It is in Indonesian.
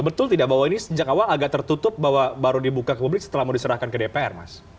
betul tidak bahwa ini sejak awal agak tertutup bahwa baru dibuka ke publik setelah mau diserahkan ke dpr mas